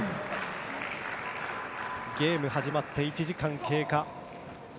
ゲーム始まって１時間経過。